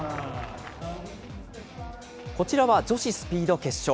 こちらは女子スピード決勝。